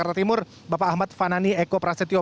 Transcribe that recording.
pak rata timur bapak ahmad fanani eko prasetyo